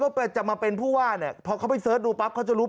จะมาเป็นผู้ว่าเนี่ยพอเขาไปเสิร์ชดูปั๊บเขาจะรู้